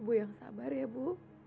ibu yang sabar ya bu